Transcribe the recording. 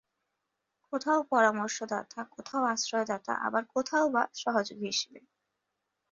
কোথাও পরামর্শদাতা, কোথাও আশ্রয় দাতা আবার কোথাও বা সহযোগী হিসাবে।